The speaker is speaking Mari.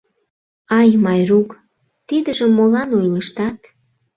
— Ай, Майрук, тидыжым молан ойлыштат?